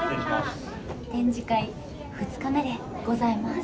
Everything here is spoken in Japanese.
展示会２日目でございます。